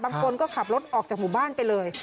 บางคนก็ขับรถออกจากหมู่บ้านไปเลย